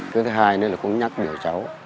thứ thứ hai nữa là cũng nhắc nhở cháu